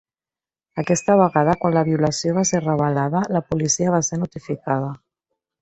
Aquesta vegada quan la violació va ser revelada, la policia va ser notificada.